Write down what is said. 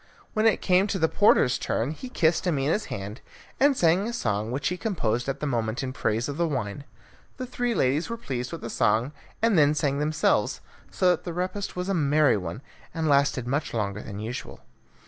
When it came to the porter's turn he kissed Amina's hand, and sang a song, which he composed at the moment in praise of the wine. The three ladies were pleased with the song, and then sang themselves, so that the repast was a merry one, and lasted much longer than usual.